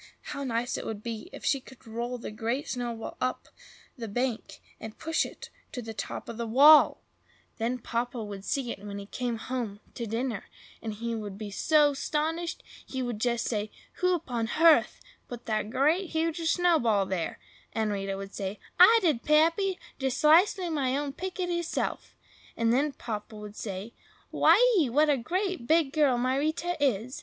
How nice it would be if she could roll the Great Snowball up the bank, and push it to the top of the wall! Then Papa would see it when he came home to dinner, and he would be so 'stonished! he would say, "Who—upon—yerth—put that great, hugeous snowball there?" And Rita would say, "I did, Pappy! just 'cisely all my own pitickiler self." And then Papa would say, "Why ee! what a great, big girl my Rita is!